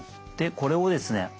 でこれをですね